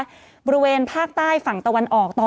ศูนย์อุตุนิยมวิทยาภาคใต้ฝั่งตะวันอ่อค่ะ